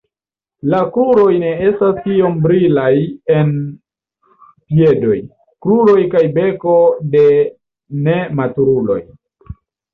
La koloroj ne estas tiom brilaj en piedoj, kruroj kaj beko de nematuruloj.